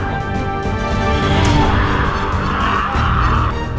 dia mampu menemukan bob means